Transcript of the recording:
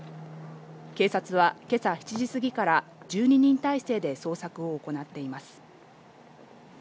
警察は今朝７時すぎから１２人態勢で捜索を行っています。